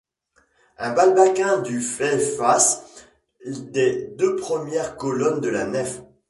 Un baldaquin du fait face des deux premières colonnes de la nef.